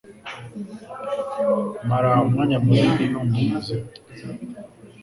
Mara umwanya munini numva umuziki.